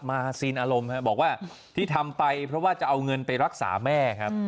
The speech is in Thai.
ซีนอารมณ์บอกว่าที่ทำไปเพราะว่าจะเอาเงินไปรักษาแม่ครับ